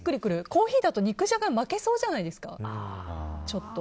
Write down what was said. コーヒーだと肉じゃが負けそうじゃないですか。